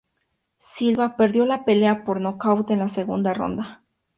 Silva perdió la pelea por nocaut en la segunda ronda.